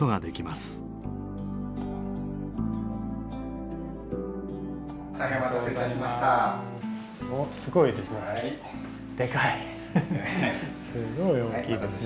すごい大きいですね。